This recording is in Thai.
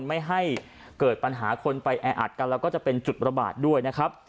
ไม่ให้เกิดปัญหาคนไปแออัดกันแล้วก็จะเป็นจุดระบาดด้วยนะครับ